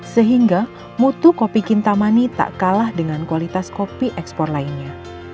sehingga mutu kopi kintamani tak kalah dengan kualitas kopi ekspor lainnya